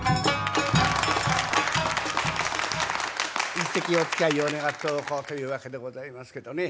一席おつきあいを願っておこうというわけでございますけどね。